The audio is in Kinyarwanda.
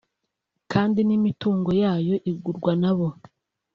kandi n’ imitungo yayo igurwa nabo